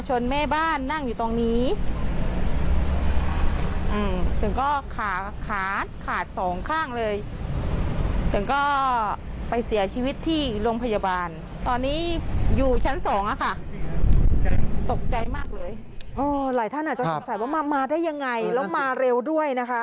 หลายท่านอาจจะสงสัยว่ามาได้ยังไงแล้วมาเร็วด้วยนะคะ